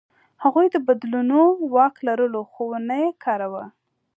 هغوی د بدلونو واک لرلو، خو ونه یې کاراوه.